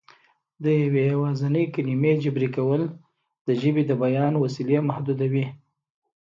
د یوې یوازینۍ کلمې جبري کول د ژبې د بیان وسیلې محدودوي